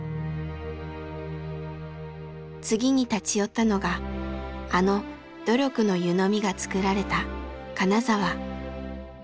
次に立ち寄ったのがあの「努力」の湯飲みが作られた金沢。